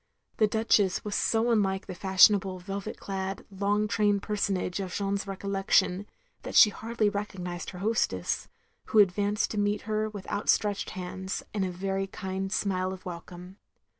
The Duchess was so unlike the fashionable velvet clad long trained personage of Jeanne's recollection, that she hardly recognised her hostess, who advanced to meet her with out stretched hands, and a very kiad smile of welcome.